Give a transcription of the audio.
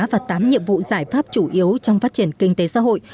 và tám nhiệm vụ giải pháp chủ yếu trong phát triển kinh tế xã hội